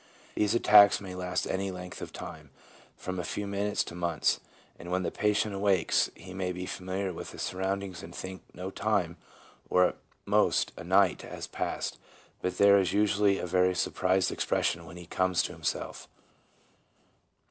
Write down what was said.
1 These attacks may last any length of time, from a few minutes to months,' 2 and when the patient awakes, he may be familiar with the surroundings and think no time, or at most a night, has passed, but there is usually a very surprised expression when he comes to himself.